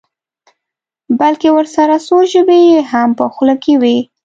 بلکې ورسره څو ژبې یې هم په خوله کې وي.